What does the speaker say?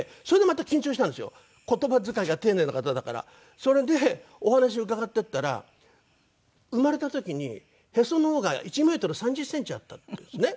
それでお話伺っていったら生まれた時にへその緒が１メートル３０センチあったっていうんですね。